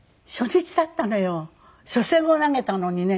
初戦を投げたのにね